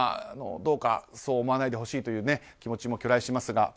どうか、そう思わないでほしいという気持ちも去来しますが。